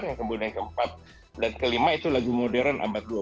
yang kemudian yang keempat dan kelima itu lagu modern abad dua puluh dan dua puluh satu